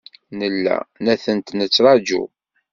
Nella la tent-nettṛaǧu.